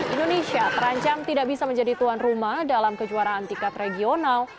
indonesia terancam tidak bisa menjadi tuan rumah dalam kejuaraan tiket regional